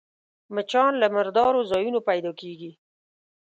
مچان له مردارو ځایونو پيدا کېږي